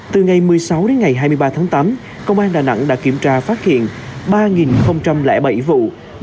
từ ngày một mươi sáu đến ngày hai mươi ba tháng tám công an đà nẵng đã kiểm tra phát hiện ba bảy vụ